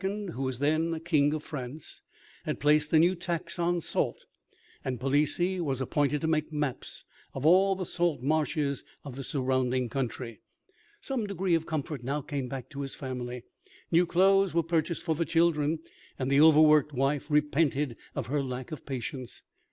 who was then King of France, had placed a new tax on salt, and Palissy was appointed to make maps of all the salt marshes of the surrounding country. Some degree of comfort now came back to his family. New clothes were purchased for the children, and the overworked wife repented of her lack of patience.